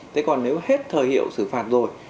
thế còn nếu hết thời hiệu xử phạt rồi